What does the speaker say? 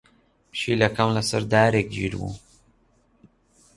پشیلەکەم لەسەر دارێک گیر بوو.